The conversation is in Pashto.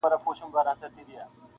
• چي را ورسېدی نیسو یې موږ دواړه -